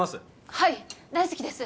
はい大好きです